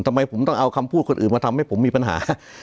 ทำไมผมต้องเอาคำพูดคนอื่นมาทำให้ผมมีปัญหา